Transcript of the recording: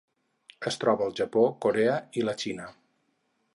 Es troba al Japó, Corea i la Xina.